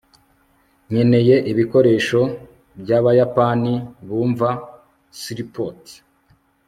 nkeneye ibikoresho byabayapani bumva. (sirpoot